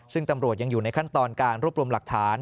ซึ่งตำรวจยังอยู่ในขั้นตอนการรวบรวมหลักฐาน